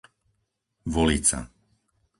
Volica